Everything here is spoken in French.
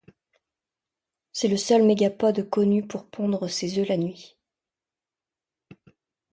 C'est le seul Mégapode connu pour pondre ses œufs la nuit.